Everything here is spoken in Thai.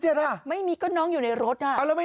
แม็กคอวอก้อนน้องอยู่ในรถแหละ